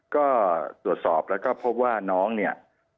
ก็ตรวจสอบแล้วก็พบว่าน้องเนี่ย